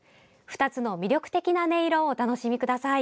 ２つの魅力的な音色をお楽しみください。